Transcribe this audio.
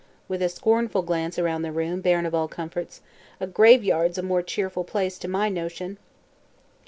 with a scornful glance around the room, barren of all comforts. "A graveyard's a more cheerful place, to my notion."